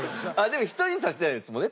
でも人にさしてないですもんね。